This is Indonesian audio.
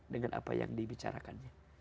dengan apa yang dibicarakannya